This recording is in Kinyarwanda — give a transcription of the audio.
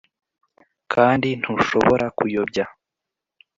kandi ntushobora kuyobya.